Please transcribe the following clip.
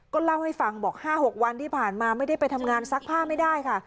ก็เล่าให้ฟังบอก๕๖วันที่ผ่านมาไม่ได้ไปทำงานซักผ้าไม่ได้ค่ะ